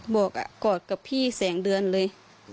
บอกกอดกับพี่แสงเดือนเลย